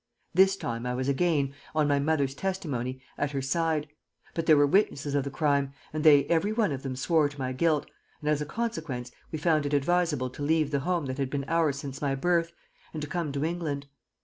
This time I was again, on my mother's testimony, at her side; but there were witnesses of the crime, and they every one of them swore to my guilt, and as a consequence we found it advisable to leave the home that had been ours since my birth, and to come to England.